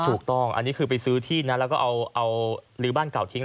ถูกต้องอันนี้คือไปซื้อที่นะแล้วก็เอาลื้อบ้านเก่าทิ้ง